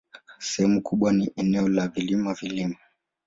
Sehemu kubwa ni eneo la vilima-vilima.